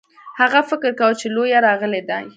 هغه فکر کاوه چې لیوه راغلی دی.